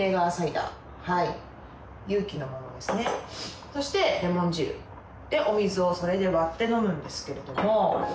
有機のものですねそしてレモン汁でお水をそれで割って飲むんですけれども。